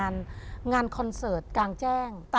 เท่าที่เราอาจรู้